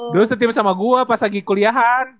dulu setim sama gue pas lagi kuliahan